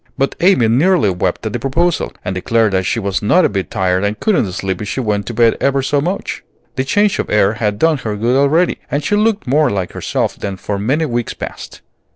But Amy nearly wept at the proposal, and declared that she was not a bit tired and couldn't sleep if she went to bed ever so much. The change of air had done her good already, and she looked more like herself than for many weeks past.